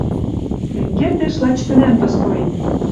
Лин кердеш лач тӹнӓм достоин